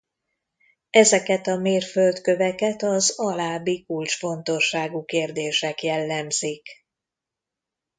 Ezeket a mérföldköveket az alábbi kulcsfontosságú kérdések jellemzik.